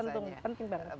tentu penting banget